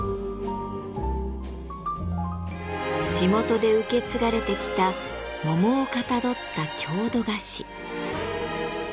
地元で受け継がれてきた桃をかたどった郷土菓子。